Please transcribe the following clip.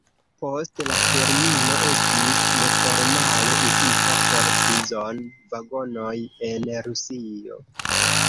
Poste la termino estis neformale uzita por prizon-vagonoj en Rusio.